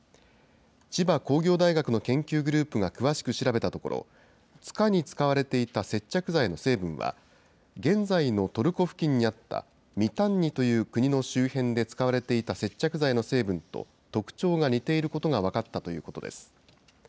千葉工業大学の研究グループが詳しく調べたところ、つかに使われていた接着剤の成分は、現在のトルコ付近にあった、ミタンニという国の周辺で使われていた接着剤の成分と特徴が似ていることが分かったということです。